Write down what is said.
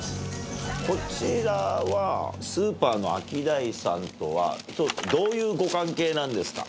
こちらはスーパーのアキダイさんとはどういうご関係なんですか？